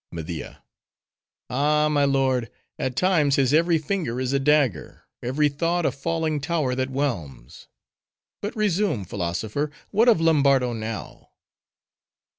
MEDIA.—Ay, my lord; at times, his every finger is a dagger: every thought a falling tower that whelms! But resume, philosopher—what of Lombardo now?